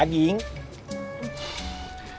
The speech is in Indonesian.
masak sendiri saja